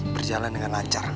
berjalan dengan lancar